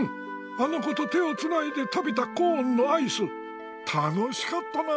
あの子と手をつないで食べたコーンのアイス楽しかったなぁ。